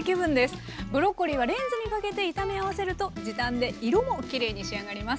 ブロッコリーはレンジにかけて炒め合わせると時短で色もきれいに仕上がります。